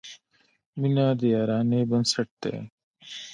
• مینه د یارانې بنسټ دی.